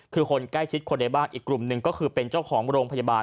คือคนใกล้ชิดคนในบ้านอีกกลุ่มหนึ่งก็คือเป็นเจ้าของโรงพยาบาล